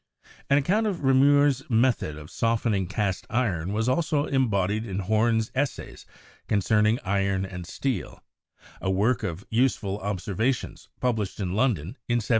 An account of Reaumur's method of softening cast iron was also embodied in Home's 'Essays Concerning Iron and Steel,' a work of useful observations published in London in 1773.